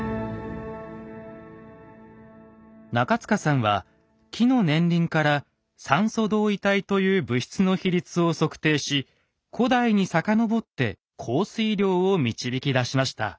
中塚さんは木の年輪から「酸素同位体」という物質の比率を測定し古代に遡って降水量を導き出しました。